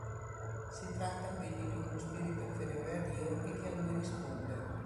Si tratta quindi di uno spirito inferiore a Dio e che a lui risponde.